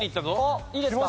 いいですか？